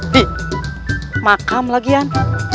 di makam lagian